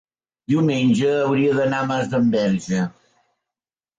diumenge hauria d'anar a Masdenverge.